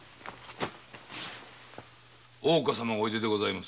大岡様がおいででございます。